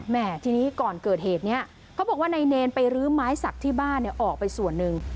ทีนี้ก่อนเกิดเหตุนี้เขาบอกว่านายเนรไปรื้อไม้สักที่บ้านออกไปส่วนหนึ่ง